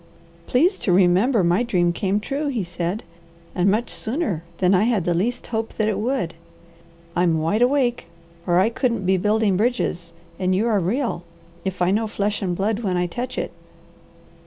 "Please to remember my dream came true," he said, "and much sooner than I had the least hope that it would. I'm wide awake or I couldn't be building bridges; and you are real, if I know flesh and blood when I touch it."